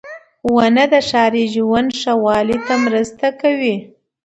• ونه د ښاري ژوند ښه والي ته مرسته کوي.